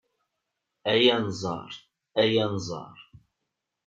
Ay Anẓar, ay Anẓar